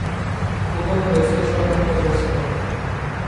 Pocono raceway শহরের মধ্যে অবস্থিত।